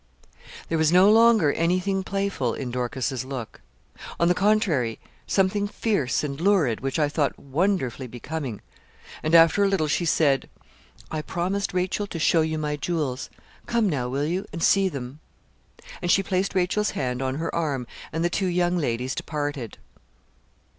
There was no longer anything playful in Dorcas's look. On the contrary, something fierce and lurid, which I thought wonderfully becoming; and after a little she said 'I promised, Rachel, to show you my jewels. Come now will you? and see them.' And she placed Rachel's hand on her arm, and the two young ladies departed.